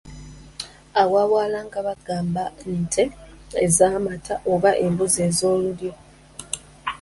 Awalala nga bagaba nte z’amata oba embuzi ez'olulyo.